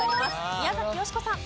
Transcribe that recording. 宮崎美子さん。